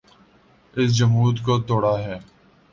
اس جمود کو توڑا ہے۔